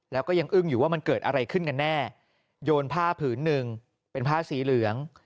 แล้วก็ยังอึ้งอยู่ว่ามันเกิดอะไรขึ้นกันแน่โยนผ้าผืนหนึ่งเป็นผ้าสีเหลือง